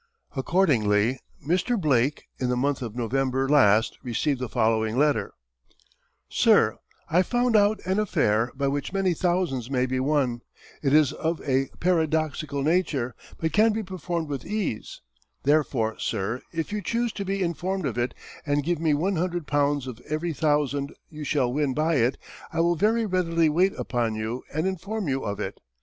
Accordingly, Mr. Blake, in the month of November last, received the following letter: "SIR, "I found out an affair by which many thousands may be won; it is of a paradoxical nature, but can be performed with ease; therefore, sir, if you chuse to be informed of it, and give me one hundred pounds of every thousand you shall win by it, I will very readily wait upon you and inform you of it.